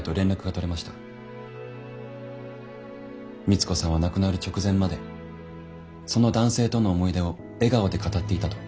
光子さんは亡くなる直前までその男性との思い出を笑顔で語っていたと。